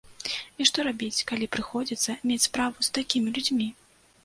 І што рабіць, калі прыходзіцца мець справу з такімі людзьмі?